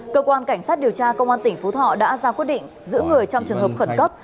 cơ quan cảnh sát điều tra công an tỉnh phú thọ đã ra quyết định giữ người trong trường hợp khẩn cấp